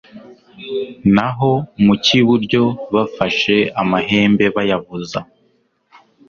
naho mu cy'iburyo bafashe amahembe bayavuza